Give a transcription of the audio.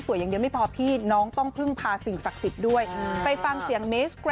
สักอันนี้เป็นช่วยเรื่องการเงินอย่างเดียวเลยค่ะ